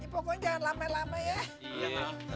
pokoknya jangan lama lama ya